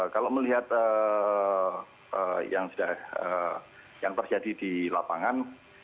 kalau melihat yang sudah yang terjadi di lapangan